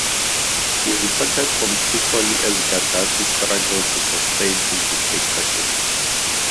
He reported from Tripoli as Gadhafi struggled to sustain his dictatorship.